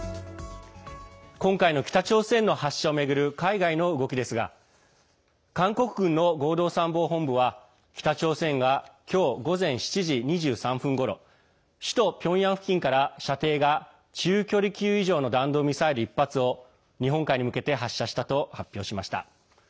今回の北朝鮮の発射を巡る海外の動きですが韓国軍の合同参謀本部は北朝鮮が今日午前７時２３分ごろ首都ピョンヤン付近から射程が中距離級以上の弾道ミサイル１発を日本海に向けて発射したと発表しました。